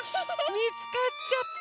みつかっちゃった！